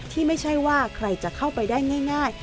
ที่ไม่ใช่ว่าใครจะเข้าไปได้ง่าย